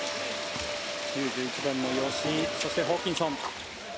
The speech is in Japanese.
９１番の吉井そしてホーキンソン。